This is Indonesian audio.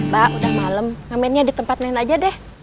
mbak udah malem ngamennya di tempat nenek aja deh